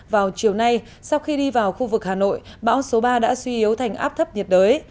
vào chiều nay sau khi đi vào khu vực hà nội bão số ba đã suy yếu thành áp thấp nhiệt đới